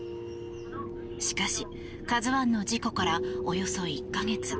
しかし、「ＫＡＺＵ１」の事故からおよそ１か月。